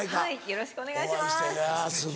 よろしくお願いします。